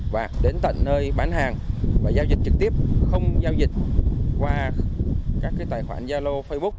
và đến tận nơi bán hàng và giao dịch trực tiếp không giao dịch qua các tài khoản gia lô facebook